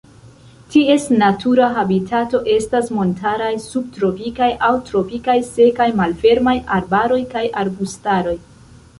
Ties natura habitato estas montaraj subtropikaj aŭ tropikaj sekaj malfermaj arbaroj kaj arbustaroj.